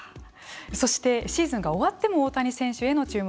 そしてシーズンが終わっても大谷選手への注目